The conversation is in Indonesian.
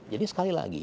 jadi sekali lagi